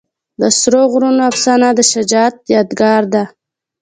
د سرو غرونو افسانه د شجاعت یادګار ده.